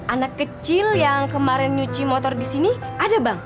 anak kecil yang kemarin nyuci motor di sini ada bang